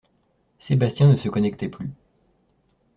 Sébastien ne se connectait plus.